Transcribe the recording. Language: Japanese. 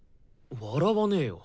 笑わねよ。